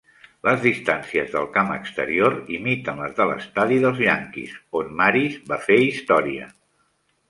Les distàncies del camp exterior imiten les de l'estadi dels Yankees, on Maris va fer història.